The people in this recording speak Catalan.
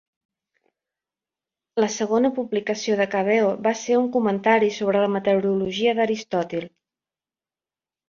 La segona publicació de Cabeo va ser un comentari sobre la "Meteorologia" d'Aristòtil.